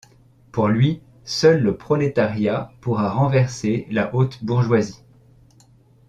Pour lui, seul le prolétariat pourra renverser la haute bourgeoisie.